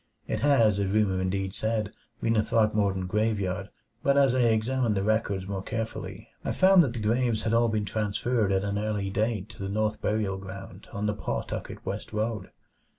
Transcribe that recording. It had, as rumor indeed said, been the Throckmorton graveyard; but as I examined the records more carefully, I found that the graves had all been transferred at an early date to the North Burial Ground on the Pawtucket West Road.